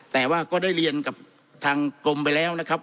แต่ว่าก็ได้เรียนกับทางกรมไปแล้วนะครับ